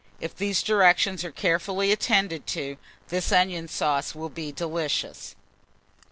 If these directions are carefully attended to, this onion sauce will be delicious.